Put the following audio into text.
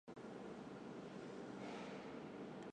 期间哈定号曾在多场靶舰轰炸实验中担任观察舰。